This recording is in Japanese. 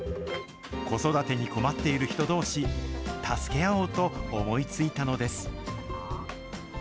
子育てに困っている人どうし、助け合おうと思いついたのです。